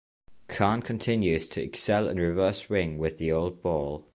Khan continues to excel in reverse swing with the old ball.